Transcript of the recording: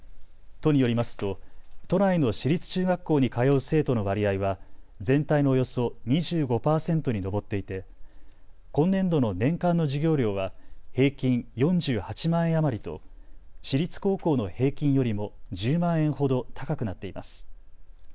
都によりますと都内の私立中学校に通う生徒の割合は全体のおよそ２５％に上っていて今年度の年間の授業料は平均４８万円余りと私立高校の平均よりも１０万円ほど高くなっています。